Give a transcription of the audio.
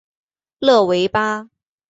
勒维巴。